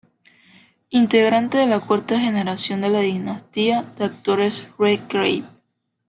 Integrante de la cuarta generación de la dinastía de actores Redgrave.